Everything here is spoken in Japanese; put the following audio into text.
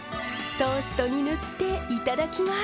トーストに塗っていただきます。